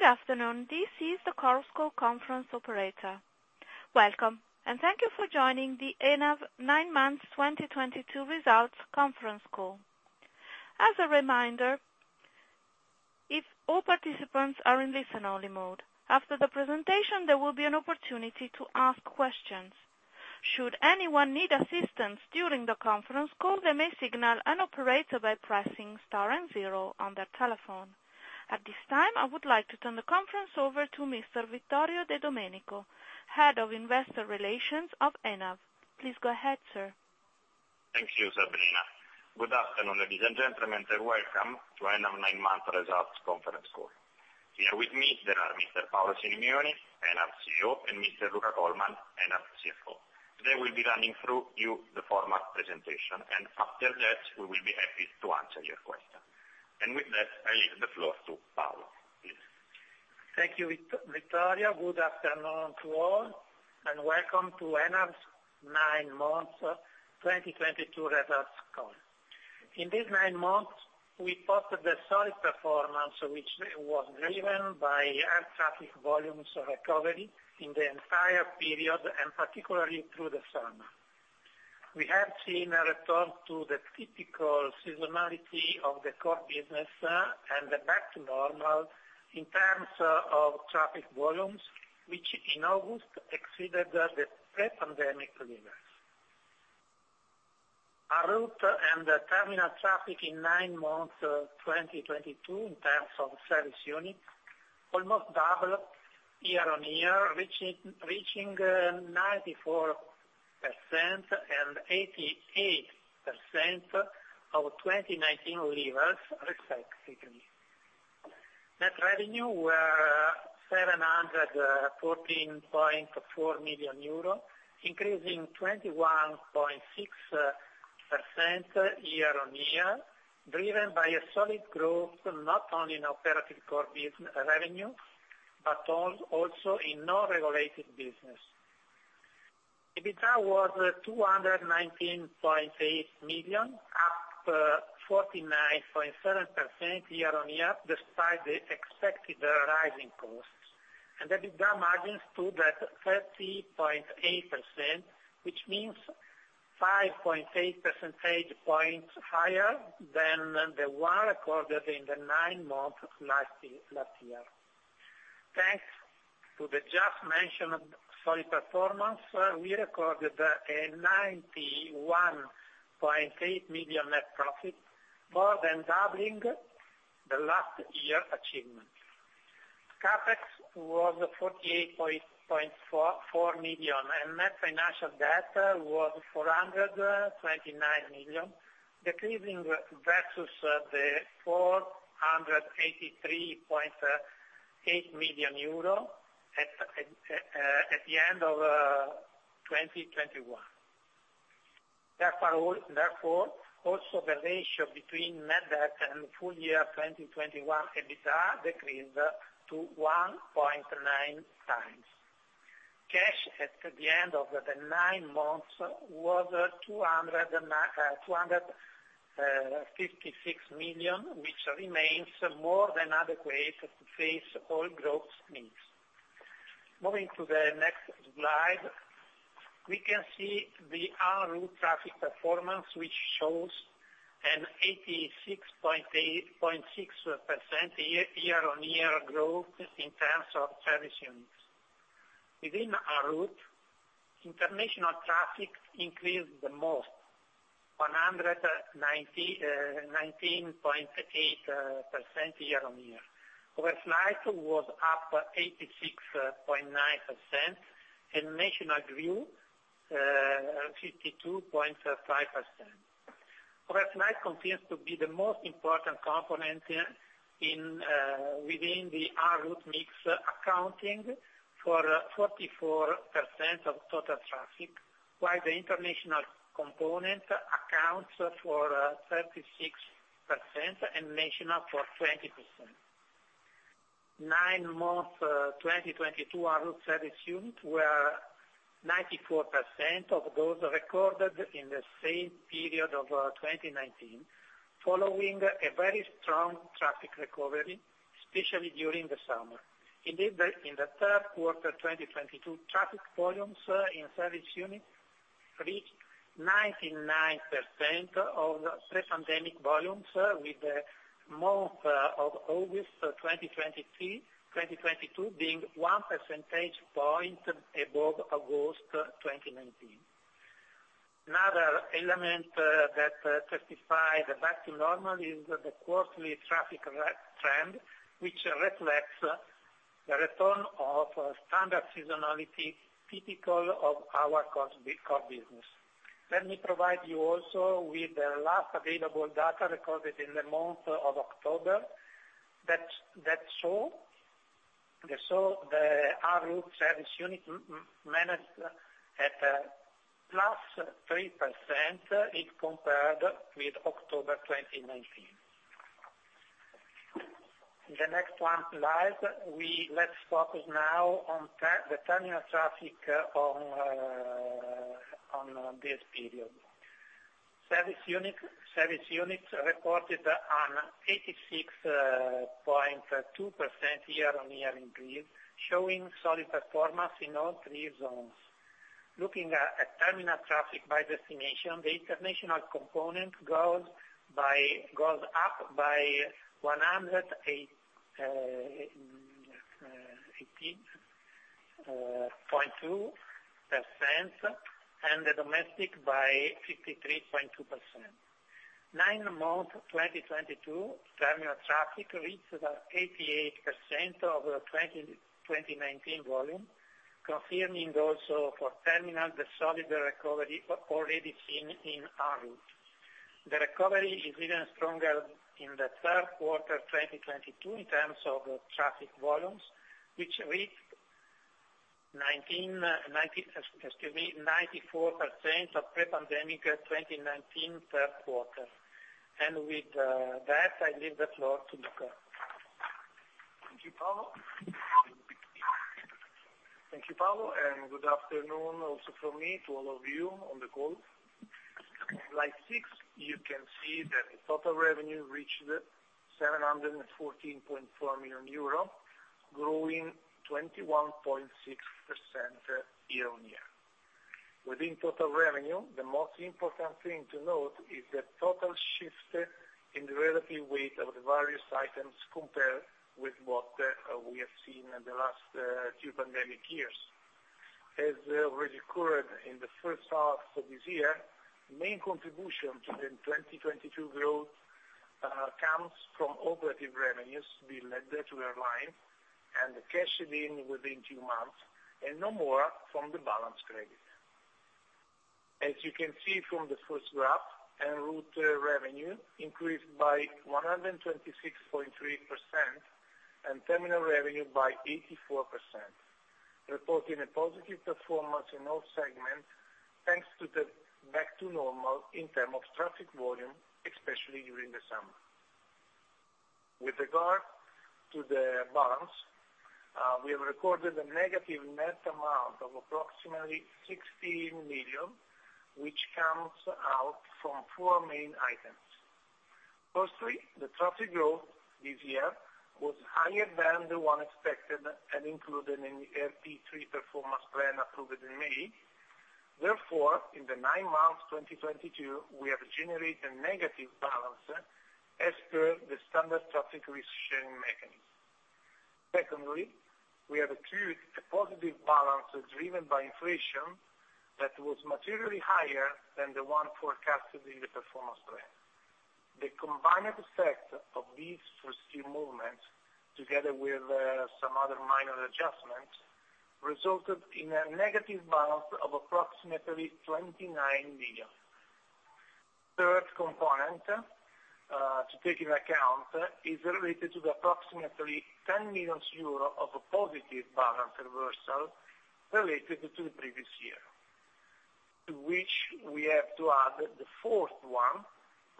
Good afternoon. This is the Chorus Call conference operator. Welcome, and thank you for joining the ENAV nine months 2022 results conference call. As a reminder, if all participants are in listen only mode, after the presentation there will be an opportunity to ask questions. Should anyone need assistance during the conference call, they may signal an operator by pressing star and zero on their telephone. At this time, I would like to turn the conference over to Mr. Vittorio De Domenico, Head of Investor Relations of ENAV. Please go ahead, Sir. Thank you, Sabrina. Good afternoon, ladies and gentlemen, and welcome to ENAV nine month results conference call. Here with me today are Mr. Paolo Simioni, ENAV CEO, and Mr. Luca Colman, ENAV CFO. They will be running you through the formal presentation, and after that we will be happy to answer your questions. With that, I leave the floor to Paolo, please. Thank you, Vittorio. Good afternoon to all, and welcome to ENAV's nine months 2022 results call. In these nine months, we posted a solid performance which was driven by air traffic volumes recovery in the entire period, and particularly through the summer. We have seen a return to the typical seasonality of the core business, and the back to normal in terms of traffic volumes, which in August exceeded the pre-pandemic levels. En route and the terminal traffic in nine months 2022 in terms of service unit almost doubled year on year, reaching 94% and 88% of 2019 levels respectively. Net revenue were 714.4 million euro, increasing 21.6% year on year, driven by a solid growth not only in operative core business revenue, but also in non-regulated business. EBITDA was 219.8 million, up 49.7% year-on-year, despite the expected rising costs. The EBITDA margins stood at 30.8%, which means 5.8 percentage points higher than the one recorded in the nine months last year. Thanks to the just mentioned solid performance, we recorded a 91.8 million net profit, more than doubling the last year achievement. CapEx was 48.4 million, and net financial debt was 429 million, decreasing versus the 483.8 million euro at the end of 2021. Therefore, also the ratio between net debt and full year 2021 EBITDA decreased to 1.9x. Cash at the end of the nine months was 256 million, which remains more than adequate to face all group's needs. Moving to the next slide, we can see the en route traffic performance, which shows an 86.86% year-on-year growth in terms of service units. Within en route, international traffic increased the most, 119.8% year-on-year. Overlight was up 86.9%, and national grew 52.5%. Overnite continues to be the most important component within the en route mix, accounting for 44% of total traffic, while the international component accounts for 36% and national for 20%. Nine months 2022 en route service units were 94% of those recorded in the same period of 2019, following a very strong traffic recovery, especially during the summer. Indeed, in the third quarter 2022, traffic volumes in service units reached 99% of pre-pandemic volumes, with the month of August 2022 being one percentage point above August 2019. Another element that testifies to the back to normal is the quarterly traffic re-trend, which reflects the return of standard seasonality typical of our core business. Let me provide you also with the last available data recorded in the month of October that show the en route service units managed at 3%+ if compared with October 2019. The next slide, let's focus now on the terminal traffic on this period. Service units recorded an 86.2% year-on-year increase, showing solid performance in all three zones. Looking at terminal traffic by destination, the international component grows by 118.2%, and the domestic by 53.2%. Nine month 2022 terminal traffic reached 88% of the 2019 volume, confirming also for terminal the solid recovery already seen in enroute. The recovery is even stronger in the third quarter 2022 in terms of traffic volumes, which reached 94% of pre-pandemic 2019 third quarter. With that, I leave the floor to Luca. Thank you, Paolo. Thank you, Paolo, and good afternoon also from me to all of you on the call. Slide six, you can see that the total revenue reached 714.4 million euro, growing 21.6% year-on-year. Within total revenue, the most important thing to note is the total shift in the relative weight of the various items compared with what we have seen in the last two pandemic years. As already occurred in the first half of this year, main contribution to the 2022 growth comes from operating revenues billed to the airline and cashed in within two months, and no more from the balance credit. As you can see from the first graph, en route revenue increased by 126.3% and terminal revenue by 84%, reporting a positive performance in all segments, thanks to the back to normal in terms of traffic volume, especially during the summer. With regard to the balance, we have recorded a negative net amount of approximately 16 million, which comes from four main items. Firstly, the traffic growth this year was higher than the one expected and included in the RP3 performance plan approved in May. Therefore, in the nine months 2022, we have generated negative balance as per the standard traffic risk sharing mechanism. Secondly, we have accrued a positive balance driven by inflation that was materially higher than the one forecasted in the performance plan. The combined effect of these first two movements, together with some other minor adjustments, resulted in a negative balance of approximately 29 million. Third component to take into account is related to the approximately 10 million euro of a positive balance reversal related to the previous year, to which we have to add the fourth one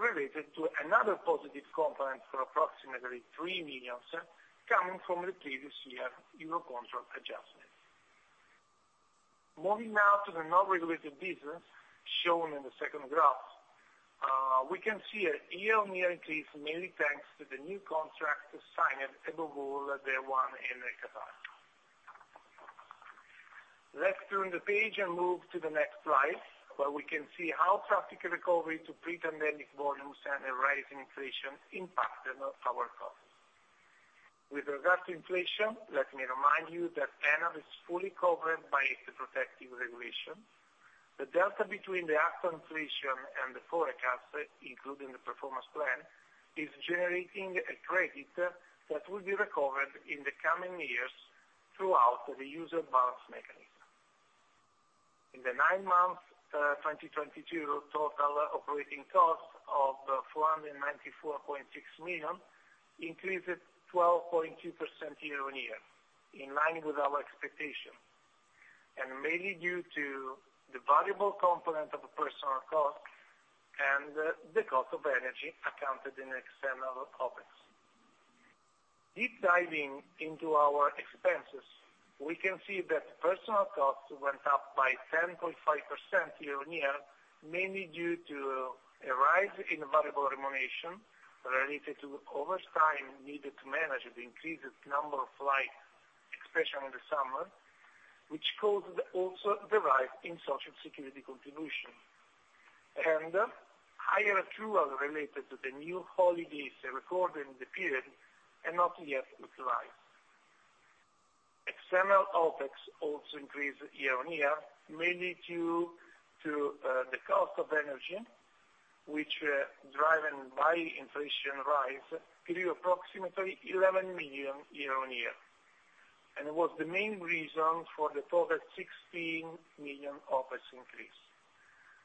related to another positive component for approximately 3 million coming from the previous year EUROCONTROL adjustment. Moving now to the non-regulated business shown in the second graph. We can see a year-on-year increase, mainly thanks to the new contract signed above all the one in Qatar. Let's turn the page and move to the next slide, where we can see how traffic recovery to pre-pandemic volumes and a rise in inflation impacted our costs. With regard to inflation, let me remind you that ENAV is fully covered by the protective regulation. The delta between the actual inflation and the forecast, including the performance plan, is generating a credit that will be recovered in the coming years throughout the traffic balance mechanism. In the nine months 2022, total operating costs of 494.6 million increased 12.2% year-on-year, in line with our expectation, and mainly due to the variable component of personnel cost and the cost of energy accounted in external OPEX. Deep diving into our expenses, we can see that personal costs went up by 10.5% year-on-year, mainly due to a rise in variable remuneration related to overtime needed to manage the increased number of flights, especially in the summer, which also caused the rise in Social Security contribution and higher accrual related to the new holidays recorded in the period and not yet utilized. External OPEX also increased year-on-year, mainly due to the cost of energy, which driven by inflation rise grew approximately 11 million year-on-year, and was the main reason for the total 16 million OPEX increase.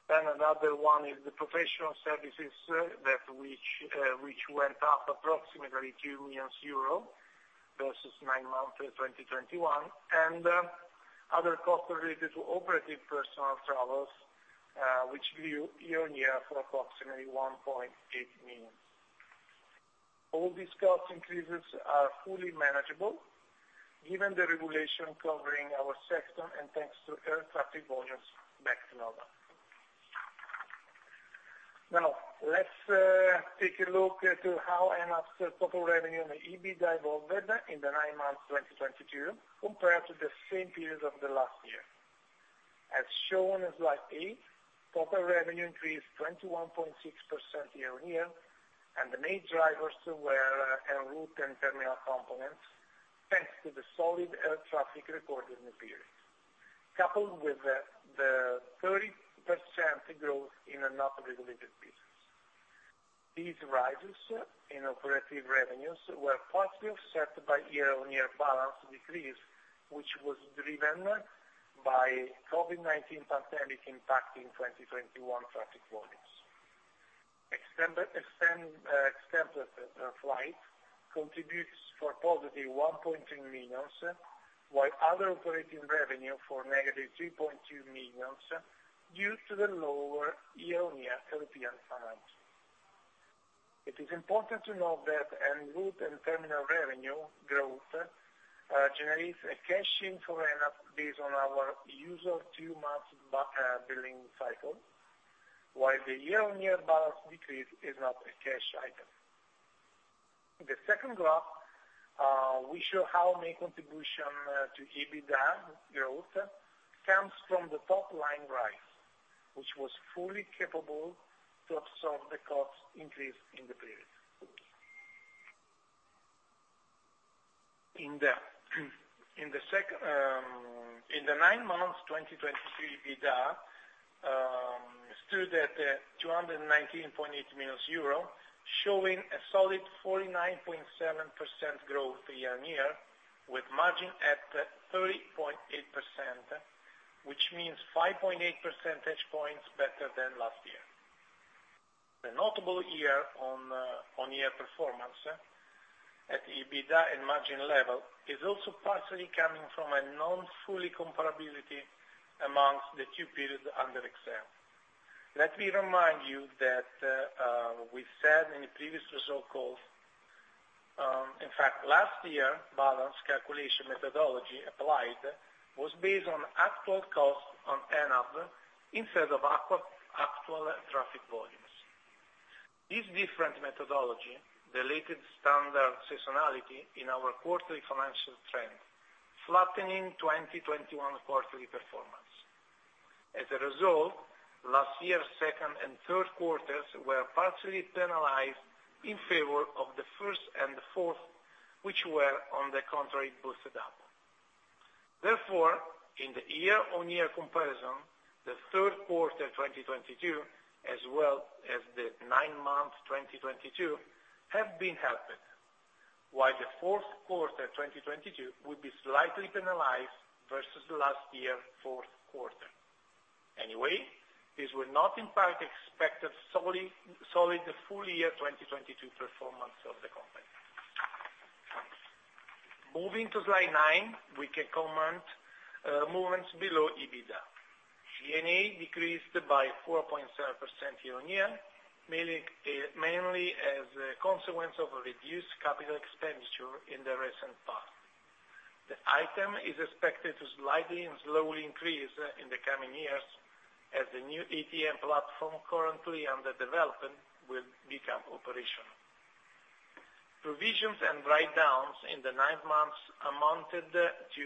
Another one is the professional services, which went up approximately 2 million euros versus nine months of 2021, and other costs related to operating personnel travels, which grew year-on-year for approximately 1.8 million. All these cost increases are fully manageable given the regulation covering our sector and thanks to air traffic volumes back to normal. Now, let's take a look at how ENAV's total revenue and EBITDA evolved in the nine months 2022 compared to the same period of the last year. As shown in slide eight, total revenue increased 21.6% year-on-year, and the main drivers were en route and terminal components, thanks to the solid air traffic recorded in the period, coupled with the 30% growth in a non-regulated business. These rises in operating revenues were partially offset by year-on-year balance decrease, which was driven by COVID-19 pandemic impacting 2021 traffic volumes. Extended flight contributes to positive 1.2 million, while other operating revenue for negative 2.2 million due to the lower year-on-year European financing. It is important to note that en route and terminal revenue growth generates a cash-in for ENAV based on our usual two-month lag billing cycle, while the year-on-year balance decrease is not a cash item. The second graph we show how main contribution to EBITDA growth comes from the top line rise, which was fully capable to absorb the cost increase in the period. In the second... In the nine months 2023, EBITDA stood at 219.8 million euro, showing a solid 49.7% growth year-on-year, with margin at 30.8%, which means 5.8 percentage points better than last year. The notable year-on-year performance at EBITDA and margin level is also partially coming from a non-full comparability among the two periods under exam. Let me remind you that we said in the previous results calls, in fact, last year balance calculation methodology applied was based on actual costs on ENAV instead of actual traffic volumes. This different methodology deleted standard seasonality in our quarterly financial trend, flattening 2021 quarterly performance. As a result, last year, second and third quarters were partially penalized in favor of the first and the fourth, which were, on the contrary, boosted up. Therefore, in the year-on-year comparison, the third quarter 2022 as well as the nine-month 2022 have been helped, while the fourth quarter 2022 will be slightly penalized versus the last year fourth quarter. Anyway, this will not impact expected solid full year 2022 performance of the company. Moving to slide nine, we can comment movements below EBITDA. G&A decreased by 4.0% year-on-year, mainly as a consequence of a reduced capital expenditure in the recent past. The item is expected to slightly and slowly increase in the coming years as the new ATM platform currently under development will become operational. Provisions and write-downs in the nine months amounted to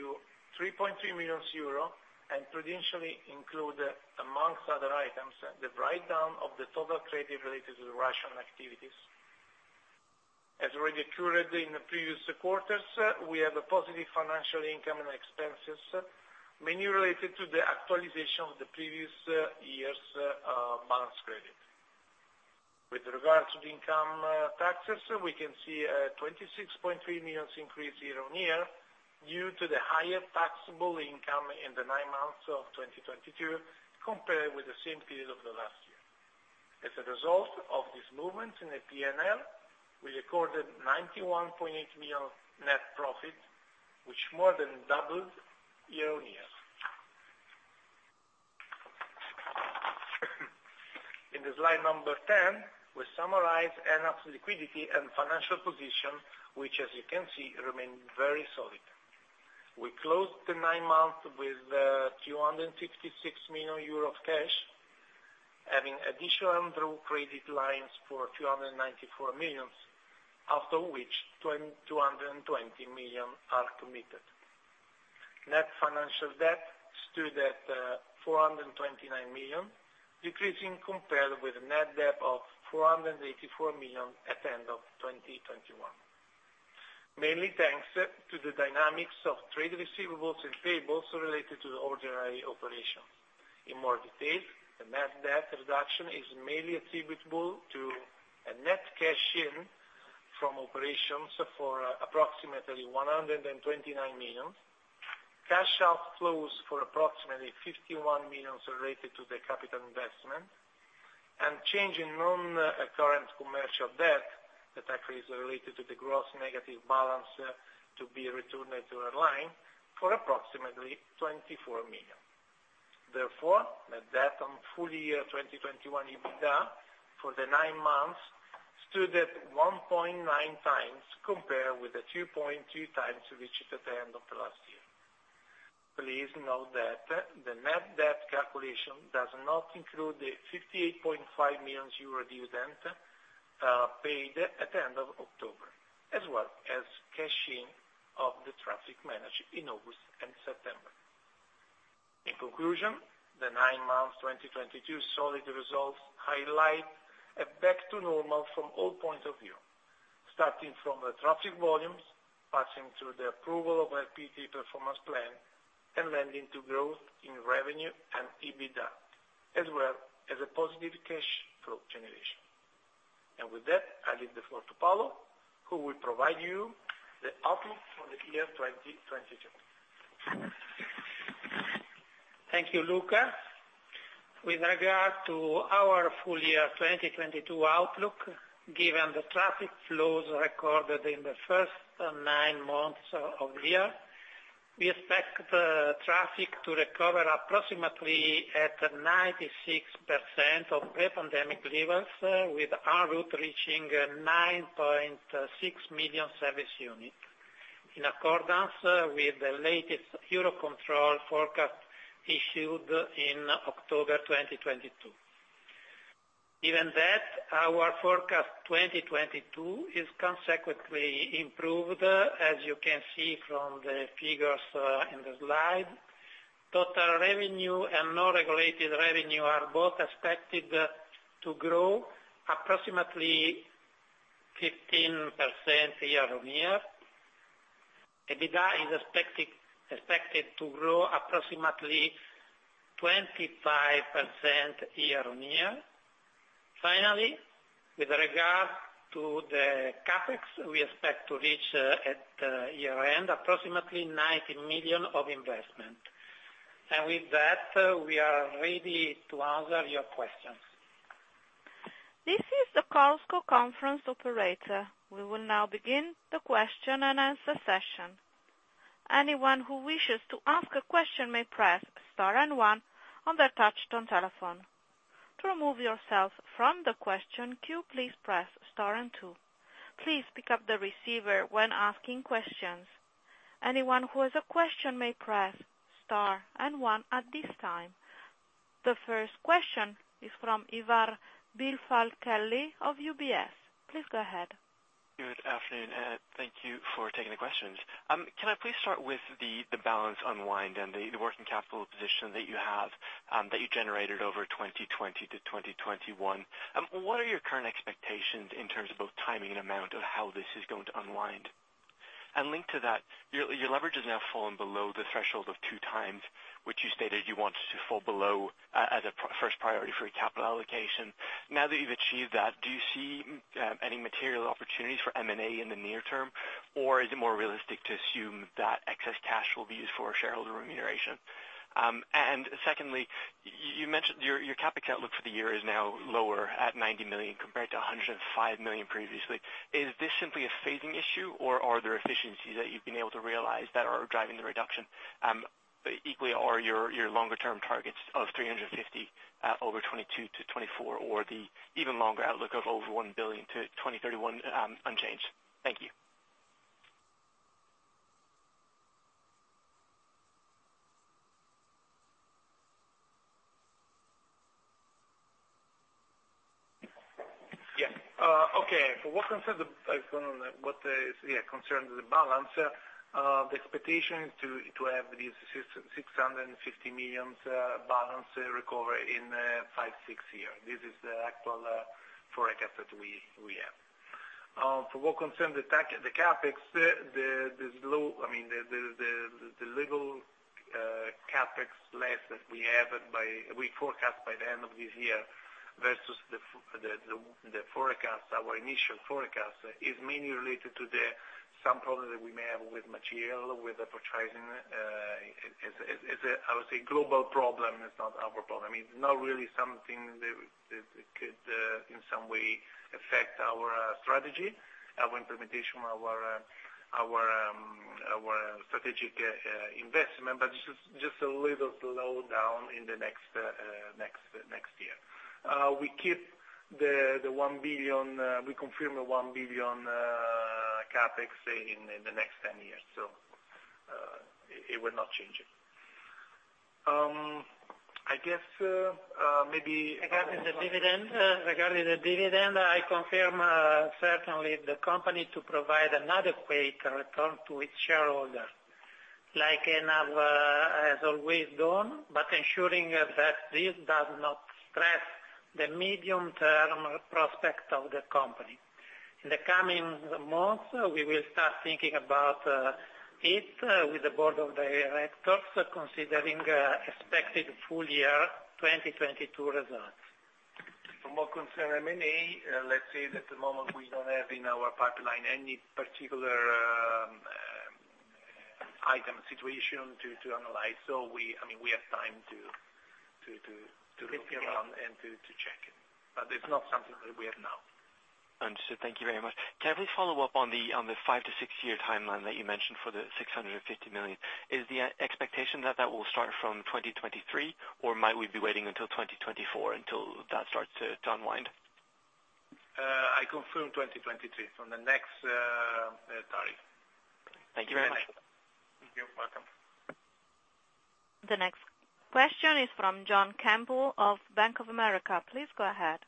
3.3 million euro and prudentially include, among other items, the write-down of the total credit related to the Russian activities. As already occurred in the previous quarters, we have a positive financial income and expenses mainly related to the actualization of the previous year's balance credit. With regards to the income taxes, we can see a 26.3 million increase year-on-year due to the higher taxable income in the nine months of 2022 compared with the same period of the last year. As a result of this movement in the P&L, we recorded 91.8 million net profit, which more than doubled year-on-year. In the slide number 10, we summarize ENAV's liquidity and financial position, which, as you can see, remain very solid. We closed the nine months with 256 million euro of cash, having additional undrawn credit lines for 294 million, of which 220 million are committed. Net financial debt stood at 429 million, decreasing compared with a net debt of 484 million at the end of 2021. Mainly thanks to the dynamics of trade receivables and payables related to the ordinary operations. In more detail, the net debt reduction is mainly attributable to a net cash in from operations for approximately 129 million, cash outflows for approximately 51 million related to the capital investment, and change in non-current commercial debt that actually is related to the gross negative balance to be returned to airline for approximately 24 million. Therefore, net debt to full year 2021 EBITDA for the nine months stood at 1.9x compared with the 2.2x reached at the end of last year. Please note that the net debt calculation does not include the 58.5 million euro dividend paid at the end of October, as well as cashing of the traffic balance in August and September. In conclusion, the nine months 2022 solid results highlight a back to normal from all points of view, starting from the traffic volumes, passing through the approval of our PT performance plan, and lending to growth in revenue and EBITDA, as well as a positive cash flow generation. With that, I leave the floor to Paolo, who will provide you the outlook for the year 2022. Thank you, Luca. With regard to our full year 2022 outlook, given the traffic flows recorded in the first nine months of the year, we expect traffic to recover approximately at 96% of pre-pandemic levels, with our route reaching 9.6 million service units, in accordance with the latest EUROCONTROL forecast issued in October 2022. Given that, our forecast 2022 is consequently improved, as you can see from the figures in the slide. Total revenue and non-regulated revenue are both expected to grow approximately 15% year-on-year. EBITDA is expected to grow approximately 25% year-on-year. Finally, with regard to the CapEx, we expect to reach at year-end approximately 90 million of investment. With that, we are ready to answer your questions. This is the Chorus Call Conference operator. We will now begin the question and answer session. Anyone who wishes to ask a question may press star and one on their touch tone telephone. To remove yourself from the question queue, please press star and two. Please pick up the receiver when asking questions. Anyone who has a question may press star and one at this time. The first question is from Ivar Billfalk-Kelly of UBS. Please go ahead. Good afternoon, and thank you for taking the questions. Can I please start with the balance unwind and the working capital position that you have that you generated over 2020 to 2021. What are your current expectations in terms of both timing and amount of how this is going to unwind? Linked to that, your leverage has now fallen below the threshold of 2x, which you stated you wanted to fall below as a first priority for your capital allocation. Now that you've achieved that, do you see any material opportunities for M&A in the near term, or is it more realistic to assume that excess cash will be used for shareholder remuneration? Secondly, you mentioned your CapEx outlook for the year is now lower at 90 million compared to 105 million previously. Is this simply a phasing issue, or are there efficiencies that you've been able to realize that are driving the reduction, but equally are your longer term targets of 350 over 2022-2024 or the even longer outlook of over 1 billion to 2031, unchanged? Thank you. For what concerns the balance, the expectation is to have this 650 million balance recovered in five to six years. This is the actual forecast that we have. For what concerns the CapEx, I mean, the level CapEx less than we forecast by the end of this year versus our initial forecast is mainly related to some problems that we may have with material, with the pricing. It's a global problem, I would say. It's not our problem. It's not really something that could in some way affect our strategy, our implementation, our strategic investment, but just a little slow down in the next year. We keep the 1 billion, we confirm the 1 billion CapEx in the next 10 years. It will not change. I guess maybe. Regarding the dividend, I confirm certainly the company to provide an adequate return to its shareholder, like it has as always done, but ensuring that this does not stress the medium-term prospect of the company. In the coming months, we will start thinking about it with the board of directors, considering expected full year 2022 results. Regarding M&A, let's say that at the moment we don't have in our pipeline any particular item or situation to analyze. I mean, we have time to look around and to check it, but it's not something that we have now. Understood. Thank you very much. Can we follow up on the five to six year timeline that you mentioned for the 650 million? Is the expectation that that will start from 2023? Or might we be waiting until 2024 until that starts to unwind? I confirm 2023 from the next tariff. Thank you very much. You're welcome. The next question is from John Campbell of Bank of America. Please go ahead.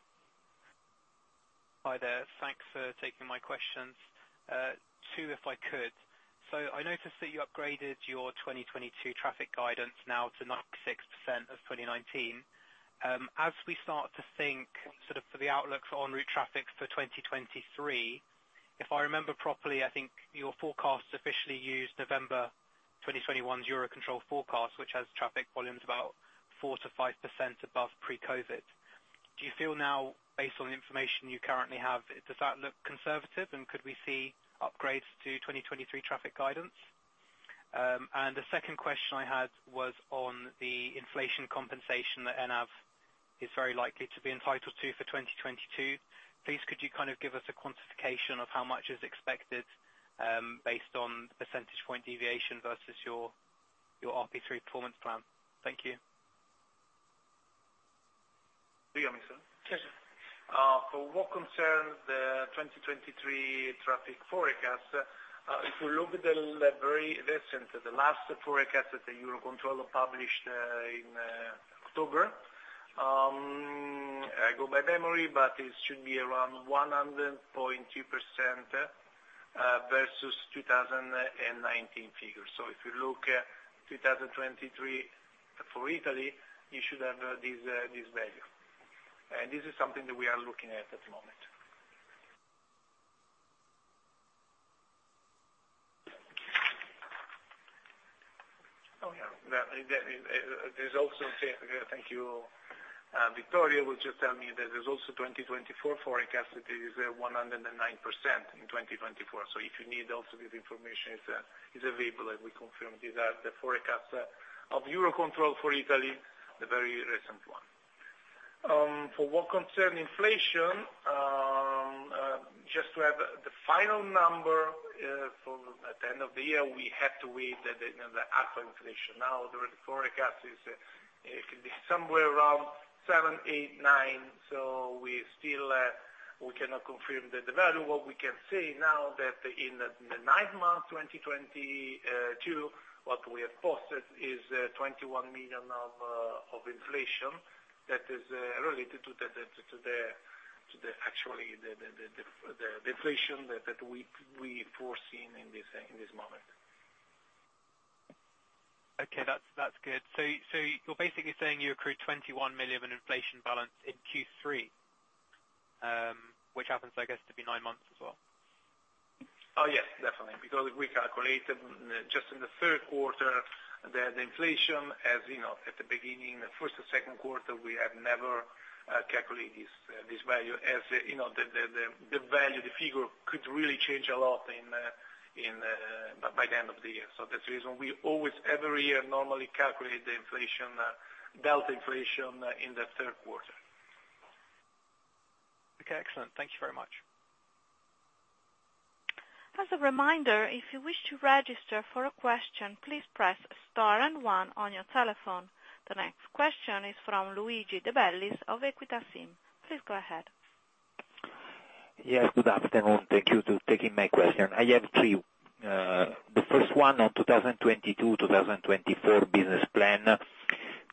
Hi there. Thanks for taking my questions. Two, if I could. I noticed that you upgraded your 2022 traffic guidance now to 9.6% of 2019. As we start to think sort of for the outlook for enroute traffic for 2023, if I remember properly, I think your forecast officially used November 2021 EUROCONTROL forecast, which has traffic volumes about 4%-5% above pre-COVID. Do you feel now based on the information you currently have, does that look conservative, and could we see upgrades to 2023 traffic guidance? The second question I had was on the inflation compensation that ENAV is very likely to be entitled to for 2022. Please, could you kind of give us a quantification of how much is expected, based on the percentage point deviation versus your RP3 performance plan? Thank you. To me, sir? Sure, sir. For what concerns the 2023 traffic forecast, if you look at the very recent last forecast that EUROCONTROL published in October, I go by memory, but it should be around 100.2% versus 2019 figures. If you look at 2023 for Italy, you should have this value. This is something that we are looking at at the moment. Vittorio was just telling me that there's also 2024 forecast is 109% in 2024. If you need also this information, it's available, and we confirm these are the forecasts of EUROCONTROL for Italy, the very recent one. For what concerns inflation, just to have the final number, at the end of the year, we have to wait for the, you know, actual inflation. Now, the forecast is it could be somewhere around 7%-9%, so we still cannot confirm the value. What we can say now is that in the nine months 2022, what we have posted is 21 million of inflation that is related to the actual inflation that we foreseen in this moment. Okay. That's good. You're basically saying you accrued 21 million in inflation balance in Q3, which happens I guess to be nine months as well? Oh, yes, definitely. Because we calculated just in the third quarter the inflation as you know, at the beginning, the first or second quarter, we have never calculate this value as you know, the value the figure could really change a lot by the end of the year. That's the reason we always every year normally calculate the inflation delta inflation in the third quarter. Okay. Excellent. Thank you very much. As a reminder, if you wish to register for a question, please press star and one on your telephone. The next question is from Luigi De Bellis of Equita SIM. Please go ahead. Yes, good afternoon. Thank you for taking my question. I have three. The first one on 2022-2024 business plan.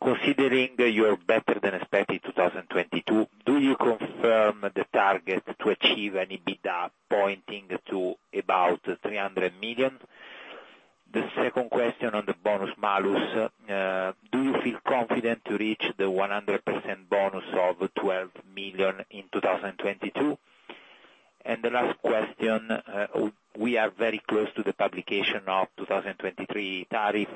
Considering you are better than expected 2022, do you confirm the target to achieve an EBITDA pointing to about 300 million? The second question on the bonus malus, do you feel confident to reach the 100% bonus of 12 million in 2022? The last question, we are very close to the publication of 2023 tariff.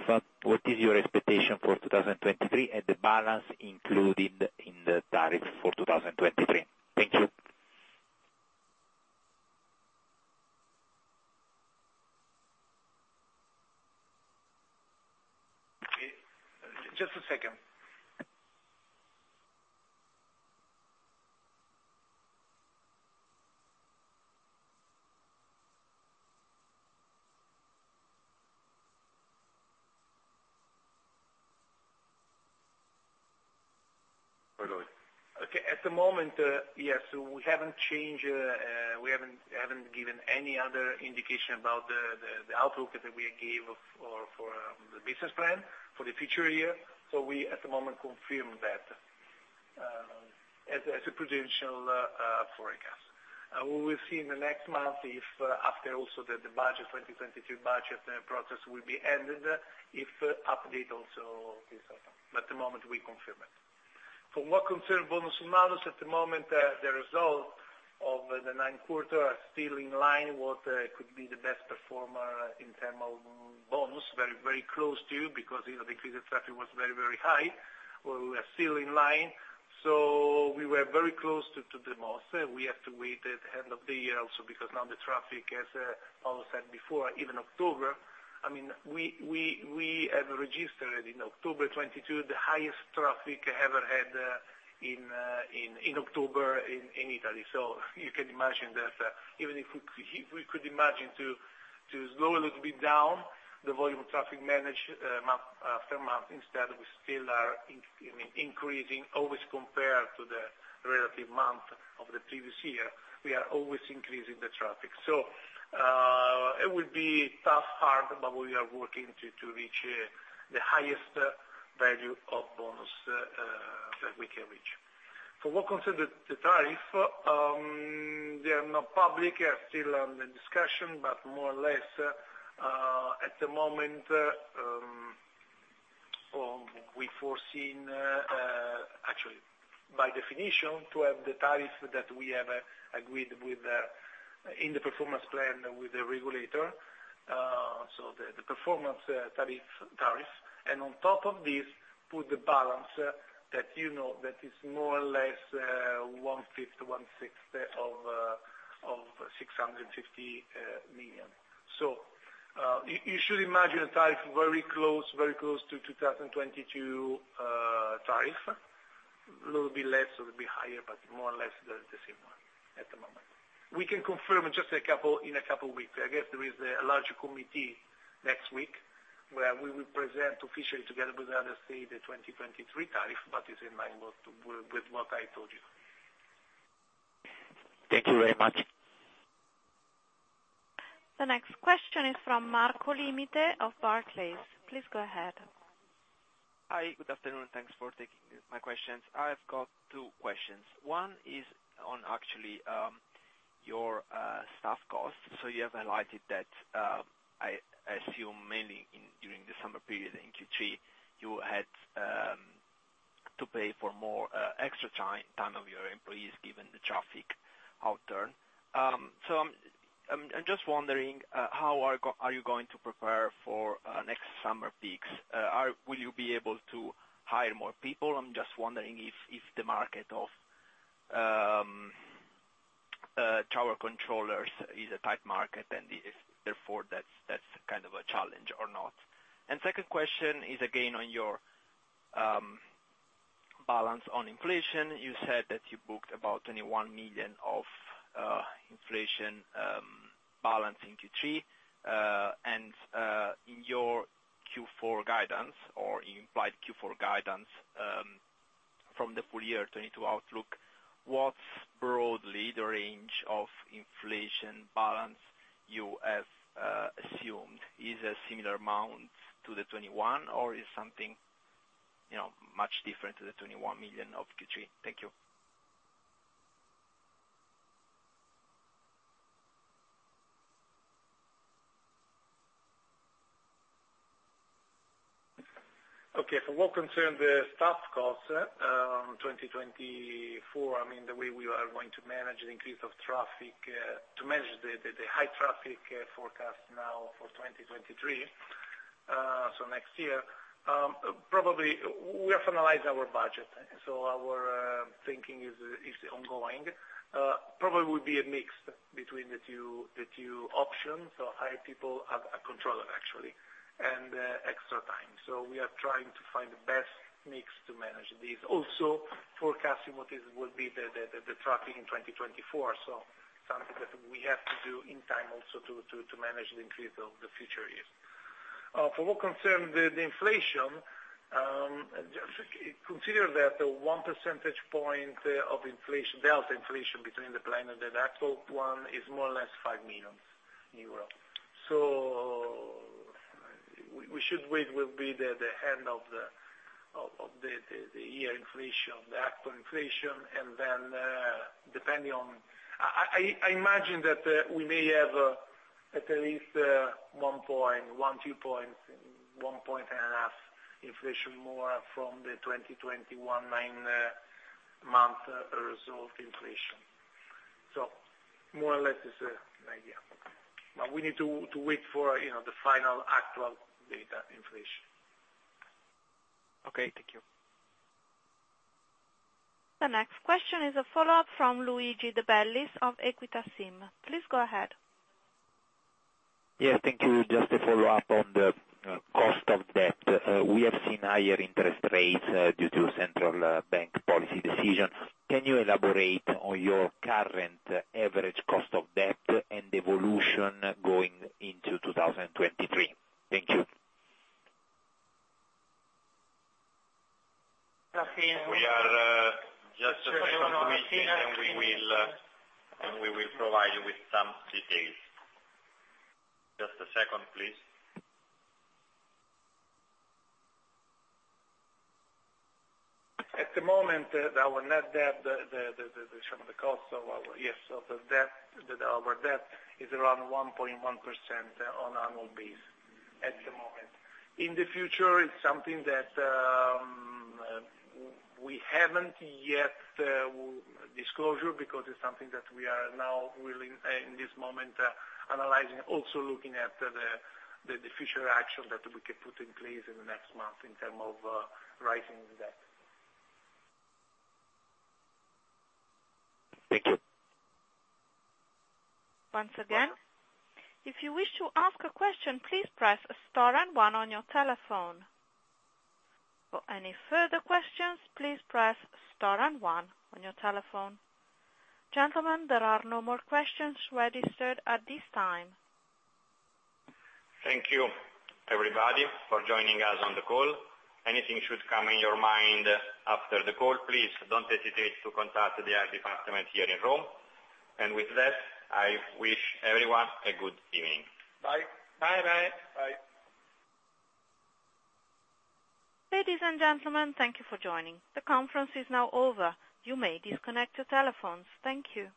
What is your expectation for 2023 and the balance included in the tariff for 2023? Thank you. Just a second. Okay, at the moment, yes, we haven't changed, we haven't given any other indication about the outlook that we gave for the business plan for the future year. We at the moment confirm that as a potential forecast. We will see in the next month if after also the budget 2022 budget process will be ended, if update also is open. At the moment, we confirm it. For what concerns bonus malus, at the moment the result of the nine quarter are still in line with what could be the best performer in terms of bonus, very very close to because, you know, the increase of traffic was very very high. We are still in line, we were very close to the most. We have to wait at the end of the year also because now the traffic, as Paolo said before, even October, I mean, we have registered in October 2022 the highest traffic ever had in October in Italy. You can imagine that, even if we could imagine to go a little bit down the volume traffic managed month per month, instead we still are increasing, always compared to the relative month of the previous year, we are always increasing the traffic. It will be tough part, but we are working to reach the highest value of bonus that we can reach. For what concerns the tariff, they are not public, they are still under discussion, but more or less, at the moment, we foresee, actually by definition, to have the tariff that we have agreed with, in the performance plan with the regulator, so the performance tariff. On top of this, put the balance that you know, that is more or less, one fifth to one sixth of 650 million. You should imagine a tariff very close, very close to 2022 tariff. A little bit less or a bit higher, but more or less the same one at the moment. We can confirm in just a couple of weeks. I guess there is an Enlarged Committee next week where we will present officially together with the other three, the 2023 tariff, but it is in line with what I told you. Thank you very much. The next question is from Marco Limite of Barclays. Please go ahead. Hi. Good afternoon. Thanks for taking my questions. I have got two questions. One is on actually, your staff costs. So you have highlighted that I assume mainly during the summer period in Q3, you had to pay for more extra time of your employees, given the traffic outturn. So I'm just wondering how are you going to prepare for next summer peaks. Will you be able to hire more people? I'm just wondering if the market of tower controllers is a tight market and if therefore that's kind of a challenge or not. Second question is, again, on your balance on inflation. You said that you booked about 21 million of inflation balance in Q3. In your Q4 guidance or implied Q4 guidance, from the full year 2022 outlook, what's broadly the range of inflation balance you have assumed? Is it a similar amount to the 2021 or is something, you know, much different to the 21 million of Q3? Thank you. Okay. For what concerns the staff costs, 2024, I mean, the way we are going to manage the increase of traffic, to manage the high traffic forecast now for 2023, next year, probably we have to analyze our budget. Our thinking is ongoing. Probably would be a mix between the two options, so hire people, controller actually, and extra time. We are trying to find the best mix to manage this. Also forecasting what will be the traffic in 2024, something that we have to do in time also to manage the increase of the future years. For what concerns the inflation, just consider that one percentage point of inflation, delta inflation between the plan and the actual one is more or less 5 million euro. We should wait what will be the end of the year inflation, the actual inflation, and then. I imagine that we may have at least 1-2 points, 1.5 Inflation more from the 2021 nine month result inflation. More or less is the idea. We need to wait for, you know, the final actual inflation data. Okay, thank you. The next question is a follow-up from Luigi De Bellis of Equita SIM. Please go ahead. Yes, thank you. Just a follow-up on the cost of debt. We have seen higher interest rates due to central bank policy decision. Can you elaborate on your current average cost of debt and evolution going into 2023? Thank you. We are just finalizing and we will provide you with some details. Just a second, please. At the moment, our net debt, the sum of the cost of our debt is around 1.1% on an annual basis at the moment. In the future, it's something that we haven't yet disclosed because it's something that we are now really in this moment analyzing, also looking at the future action that we can put in place in the next month in terms of raising the debt. Thank you. Once again, if you wish to ask a question, please press star and one on your telephone. For any further questions, please press star and one on your telephone. Gentlemen, there are no more questions registered at this time. Thank you everybody for joining us on the call. Anything should come in your mind after the call, please don't hesitate to contact the IR department here in Rome. With that, I wish everyone a good evening. Bye. Bye-bye. Bye. Ladies and gentlemen, thank you for joining. The conference is now over. You may disconnect your telephones. Thank you.